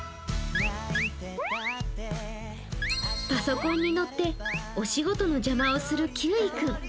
パソコンに乗って、お仕事の邪魔をするキウイ君。